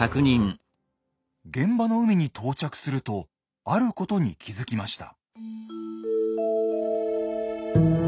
現場の海に到着するとあることに気付きました。